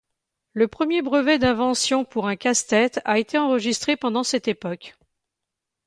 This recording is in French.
Le premier brevet d'invention pour un casse-tête a été enregistré pendant cette époque.